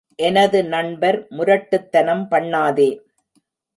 எனது நண்பர், முரட்டுத்தனம் பண்ணாதே!